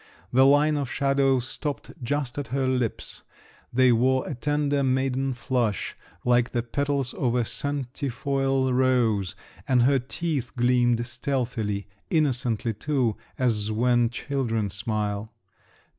The line of shadow stopped just at her lips; they wore a tender maiden flush, like the petals of a centifoil rose, and her teeth gleamed stealthily—innocently too, as when children smile.